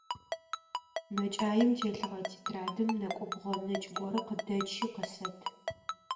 МэкӀаим телъыгъэ тетрадым нэкӀубгъо нэкӀ горэ къыдэчи, къысэт.